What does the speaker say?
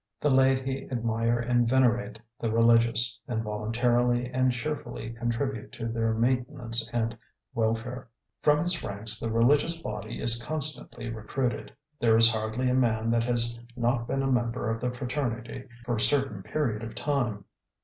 The laity admire and venerate the religious, and voluntarily and cheerfully contribute to their maintenance and welfare. From its ranks the religious body is constantly recruited. There is hardly a man that has not been a member of the fraternity for a certain period of time.